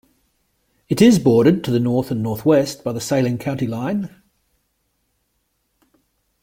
It is bordered to the north and northwest by the Saline County line.